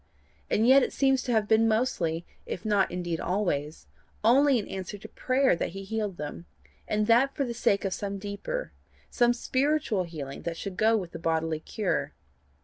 and yet it seems to have been mostly, if not indeed always, only in answer to prayer that he healed them, and that for the sake of some deeper, some spiritual healing that should go with the bodily cure.